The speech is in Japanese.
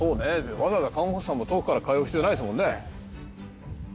わざわざ看護婦さんも遠くから通う必要ないですもんね。